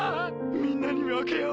みんなに分けよう。